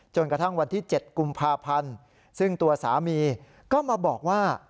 กระทั่งวันที่๗กุมภาพันธ์ซึ่งตัวสามีก็มาบอกว่า